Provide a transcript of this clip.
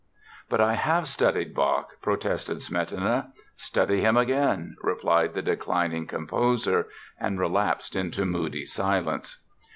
"But I have studied Bach", protested Smetana. "Study him again", replied the declining composer and relapsed into moody silence.